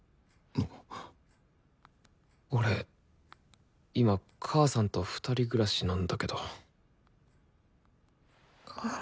俺今母さんと２人暮らしなんだけど。